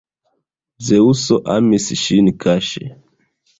Zeŭso amis ŝin kaŝe.